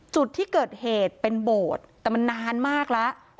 จุดที่เกิดเหตุเป็นโบสถ์แต่มันนานมากแล้ว